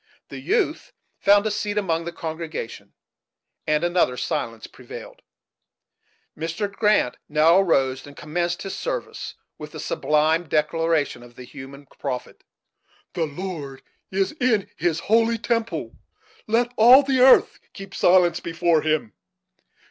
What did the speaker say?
The youth found a seat among the congregation, and another silence prevailed. Mr. Grant now arose and commenced his service with the sublime declaration of the Hebrew prophet: "The Lord is in His holy temple; let all the earth keep silence before Him."